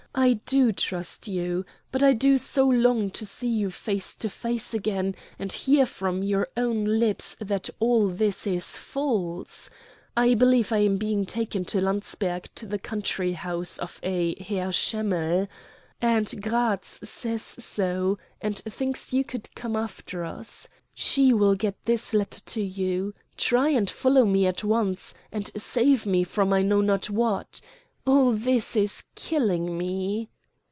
I do trust you. But I do so long to see you face to face again and hear from your own lips that all this is false. I believe I am being taken to Landsberg to the country house of a Herr Schemmell. Aunt Gratz says so, and thinks you could come after us. She will get this letter to you. Try and follow me at once, and save me from I know not what. All this is killing me.